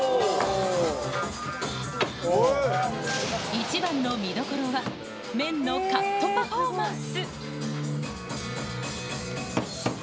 一番の見どころは、麺のカットパフォーマンス。